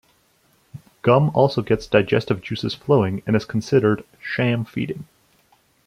Gum also gets digestive juices flowing and is considered "sham feeding".